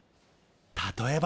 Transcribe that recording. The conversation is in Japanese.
例えば。